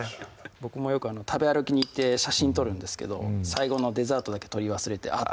僕もよく食べ歩きに行って写真撮るんですけど最後のデザートだけ撮り忘れてあっ！